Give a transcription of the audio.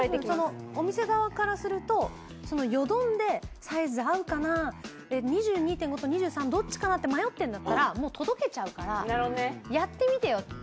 そのお店側からするとそのよどんでサイズ合うかな２２．５と２３どっちかなって迷ってるんだったらもう届けちゃうからやってみてよ。